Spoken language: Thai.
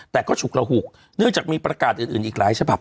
แต่ก็ฉุกระหุกเนื่องจากมีประกาศอื่นอีกหลายฉบับ